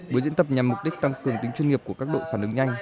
buổi diễn tập nhằm mục đích tăng cường tính chuyên nghiệp của các đội phản ứng nhanh